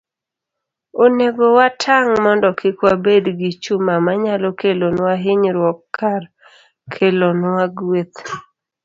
Onego watang' mondo kik wabed gi chuma manyalo kelonwa hinyruok kar kelonwa gweth.